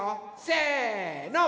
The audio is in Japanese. せの。